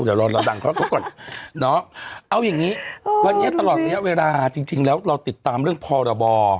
เดี๋ยวเราดังเขาก่อนเนาะเอาอย่างนี้วันนี้ตลอดระยะเวลาจริงแล้วเราติดตามเรื่องพรบ